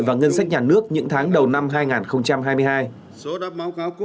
và ngân sách nhà nước những tháng đầu năm hai nghìn hai mươi hai